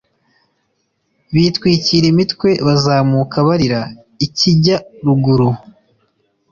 bitwikira imitwe bazamuka barira ikijyaruguru